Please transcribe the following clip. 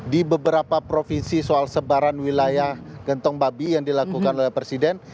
di beberapa provinsi soal sebaran wilayah gentong babi yang dilakukan oleh presiden